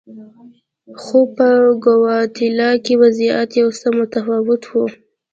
خو په ګواتیلا کې وضعیت یو څه متفاوت و.